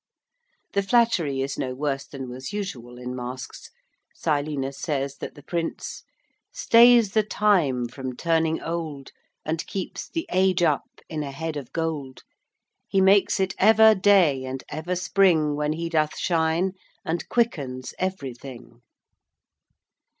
The flattery is no worse than was usual in Masques. Silenus says that the Prince Stays the time from turning old, And keeps the age up in a head of gold. He makes it ever day and ever spring When he doth shine, and quickens everything.